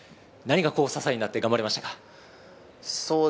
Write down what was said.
何が支えになって頑張れましたか？